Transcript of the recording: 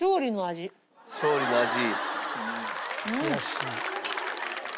勝利の味？